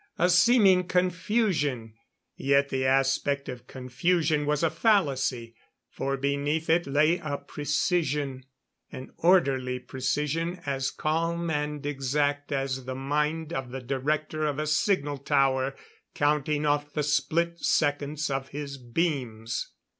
A seeming confusion; yet the aspect of confusion was a fallacy, for beneath it lay a precision an orderly precision as calm and exact as the mind of the Director of a Signal Tower counting off the split seconds of his beams.